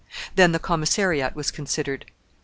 Then the commissariat was considered.